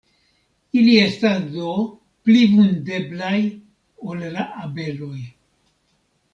Ili estas do pli vundeblaj ol la abeloj.